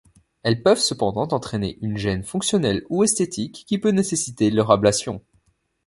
Elles peuvent cependant entraîner une gêne fonctionnelle ou esthétique qui peut nécessiter leur ablation.